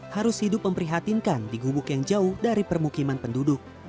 harus hidup memprihatinkan di gubuk yang jauh dari permukiman penduduk